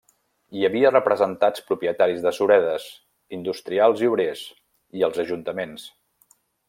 Hi havia representats propietaris de suredes, industrials i obrers, i els ajuntaments.